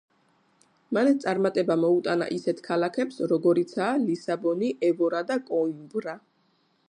მან წარმატება მოუტანა ისეთ ქალაქებს როგორიცაა ლისაბონი, ევორა და კოიმბრა.